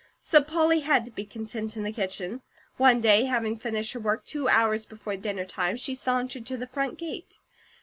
So Polly had to be content in the kitchen. One day, having finished her work two hours before dinnertime, she sauntered to the front gate.